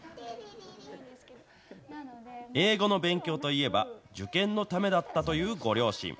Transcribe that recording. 英語の勉強といえば、受験のためだったというご両親。